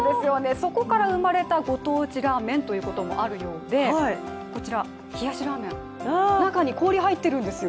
そこから生まれたご当地ラーメンということもあるようでこちら、冷やしラーメン中に氷入ってるんですよ。